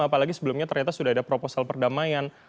apalagi sebelumnya ternyata sudah ada proposal perdamaian